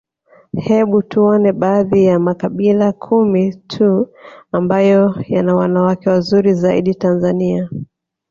Hebu tuone baadhi ya makabila kumi tuu ambayo yana wanawake wazuri zaidi Tanzania